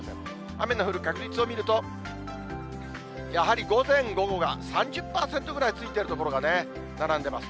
雨の降る確率を見ると、やはり午前、午後が３０％ぐらいついてる所がね、並んでます。